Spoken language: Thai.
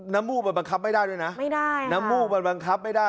มูกมันบังคับไม่ได้ด้วยนะไม่ได้น้ำมูกมันบังคับไม่ได้